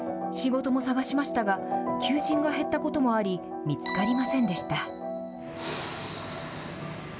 仕事も探しましたが、求人が減ったこともあり、見つかりませんではぁー。